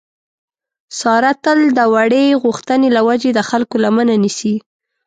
ساره تل د وړې غوښتنې له وجې د خلکو لمنه نیسي.